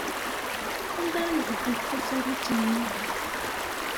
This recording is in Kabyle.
Anda ay d-ufant tasarut-nni?